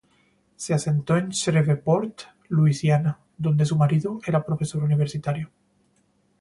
Se asentó en Shreveport, Luisiana, donde su marido era profesor universitario.